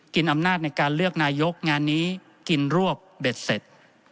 อำนาจในการเลือกนายกงานนี้กินรวบเบ็ดเสร็จ